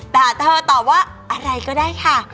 แต่เธอตอบว่าอะไรก็ได้ค่ะ